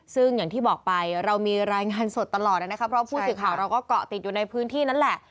ซึ่งอย่างที่บอกไปเรามีรายงานสดตลอดนะครับเพราะผู้สื่อข่าวเราก็เกาะติดอยู่ในพื้นที่นั่นแหละ